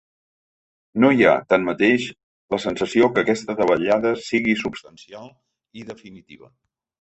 No hi ha, tanmateix, la sensació que aquesta davallada sigui substancial i definitiva.